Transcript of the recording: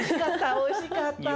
おいしかった。